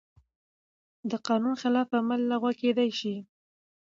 د قانون خلاف عمل لغوه کېدای شي.